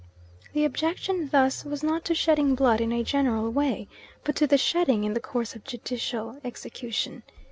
The objection thus was not to shedding blood in a general way, but to the shedding in the course of judicial execution.